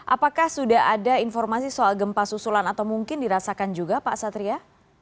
apakah sudah ada informasi soal gempa susulan atau mungkin dirasakan juga pak satria